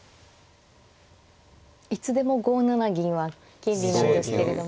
いつでも５七銀は気になるんですけれども。